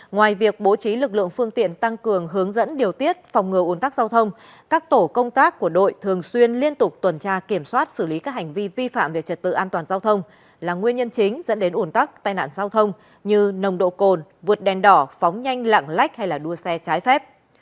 ngoài việc bố trí lực lượng phương tiện tăng cường hướng dẫn điều tiết phòng ngừa ủn tắc giao thông các tổ công tác của đội thường xuyên liên tục tuần tra kiểm soát xử lý các hành vi vi phạm về trật tự an toàn giao thông là nguyên nhân chính dẫn đến ủn tắc tai nạn giao thông như nồng độ cồn vượt đèn đỏ phóng nhanh lạng lách hay đua xe trái phép